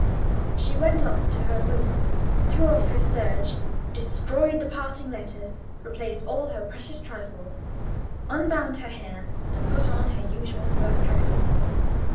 She went up to her room, threw off her serge, destroyed the parting letters, replaced all her precious trifles, unbound her hair, and put on her usual black dress.